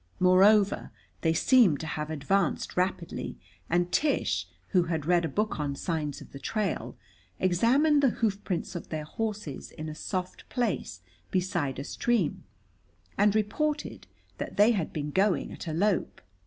Moreover, they seemed to have advanced rapidly, and Tish, who had read a book on signs of the trail, examined the hoofprints of their horses in a soft place beside a stream, and reported that they had been going at a lope.